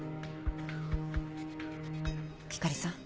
ひかりさん